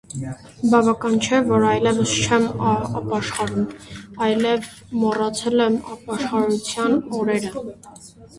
Բավական չէ, որ այլևս չեմ ապաշխարում, այլև մոռացել եմ ապաշխարության օրերը: